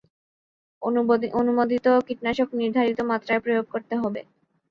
অনুমোদিত কীটনাশক নির্ধারিত মাত্রায় প্রয়োগ করতে হবে।